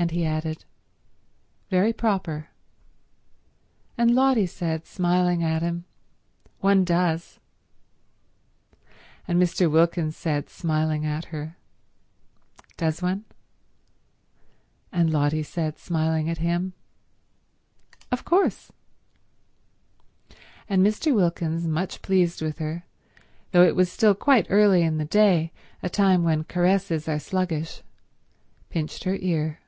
And he added, "Very proper." And Lotty said, smiling at him, "One does." And Mr. Wilkins said, smiling at her, "Does one?" And Lotty said, smiling at him, "Of course." And Mr. Wilkins, much pleased with her, though it was still quite early in the day, a time when caresses are sluggish, pinched her ear.